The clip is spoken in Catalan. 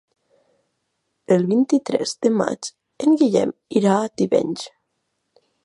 El vint-i-tres de maig en Guillem irà a Tivenys.